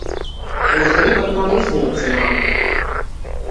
Jūs gribat mani iznīcināt.